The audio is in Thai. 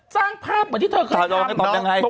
สร้างภาพเหมือนที่เธอเคยทำสนองกันตอบนี้ยังไง